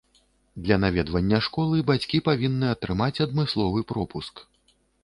Для наведвання школы бацькі павінны атрымаць адмысловы пропуск.